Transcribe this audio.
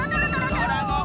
ドラゴン！